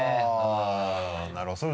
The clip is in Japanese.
なるほどね。